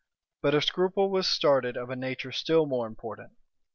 But a scruple was started of a nature still more important.